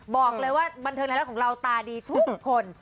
บอกเลยว่าบันเทิงไทยรัฐของเราตาดีทุกคน